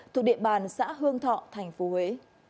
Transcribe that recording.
thuộc địa bàn xã hương thọ tp huế